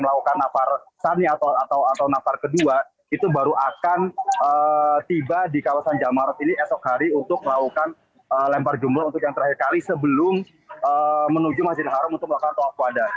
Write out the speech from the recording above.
melakukan nafar sani atau nafar kedua itu baru akan tiba di kawasan jamarat ini esok hari untuk melakukan lempar jumroh untuk yang terakhir kali sebelum menuju masjidil haram untuk melakukan toa kuadha